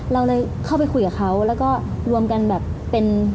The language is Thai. เราเลยเข้าไปคุยกับเขาแล้วก็รวมกันแบบเป็น